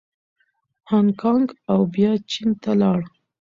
هانګکانګ او بیا چین ته لاړ.